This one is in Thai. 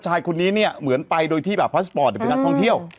ชายคนนี้เนี่ยเหมือนไปโดยที่แบบพาสปอร์ตเป็นนักท่องเที่ยว